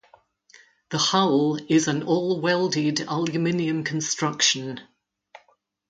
The hull is an all-welded aluminium construction.